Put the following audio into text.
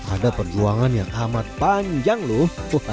ada perjuangan yang amat panjang loh